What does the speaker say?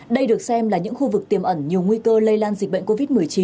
đây được xem là những khu vực tiềm ẩn nhiều nguy cơ lây lan dịch bệnh covid một mươi chín